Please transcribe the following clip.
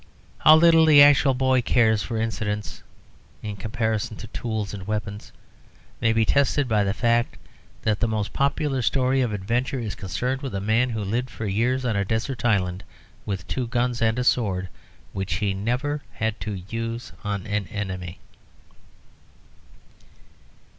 How little the actual boy cares for incidents in comparison to tools and weapons may be tested by the fact that the most popular story of adventure is concerned with a man who lived for years on a desert island with two guns and a sword, which he never had to use on an enemy.